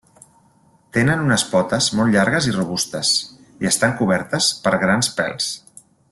Tenen unes potes molt llargues i robustes, i estan cobertes per grans pèls.